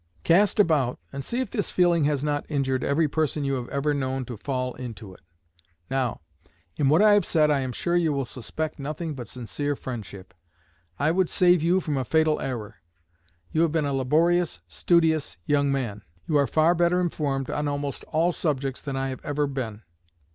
Cast about and see if this feeling has not injured every person you have ever known to fall into it. Now, in what I have said I am sure you will suspect nothing but sincere friendship. I would save you from a fatal error. You have been a laborious, studious young man. You are far better informed on almost all subjects than I have ever been.